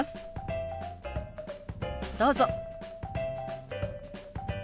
どうぞ。